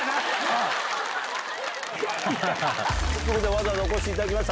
わざわざお越しいただきました